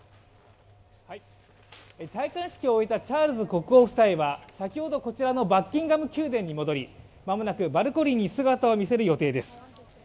戴冠式を終えたチャールズ国王夫妻は先ほどこちらのバッキンガム宮殿に戻り、間もなくバルコニーに姿を見せる予定です。